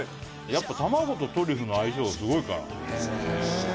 やっぱ卵とトリュフの相性すごいからねす